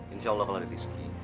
insya allah kalau ada rizki